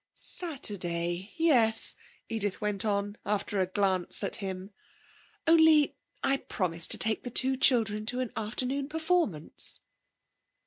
'Saturday, yes,' Edith went on, after a glance at him. 'Only, I promised to take the two children to an afternoon performance.'